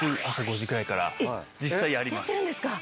やってるんですか？